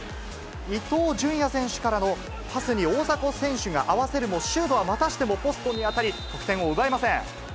伊東純也選手からのパスに大迫選手が合わせるもシュートはまたしてもポストに当たり、得点を奪えません。